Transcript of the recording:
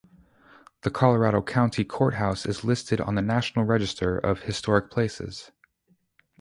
The Colorado County Courthouse is listed on the National Register of Historic Places.